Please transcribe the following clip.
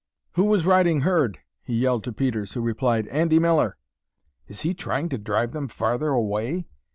"Who was riding herd?" he yelled to Peters, who replied, "Andy Miller." "Is he trying to drive them farther away?"